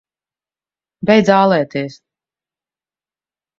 Beidz ālēties!